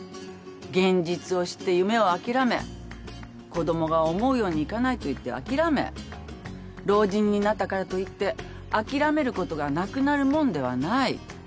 現実を知って夢を諦め子供が思うようにいかないといって諦め老人になったからといって諦めることがなくなるもんではない。